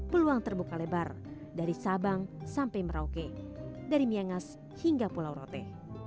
peluang terbuka lebar dari sabang sampai merauke dari miangas hingga pulau rote